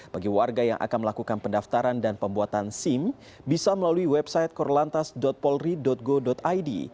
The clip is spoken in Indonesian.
bagi warga yang akan melakukan pendaftaran dan pembuatan sim bisa melalui website korlantas polri go id